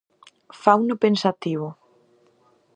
Fauno pensativo.